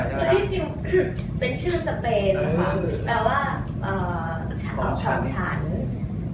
เพราะที่จริงเป็นชื่อสเปน